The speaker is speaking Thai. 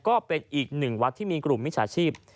ก็เป็นอีกหนึ่งวัดที่มีกลุ่มมิจฉาชีพ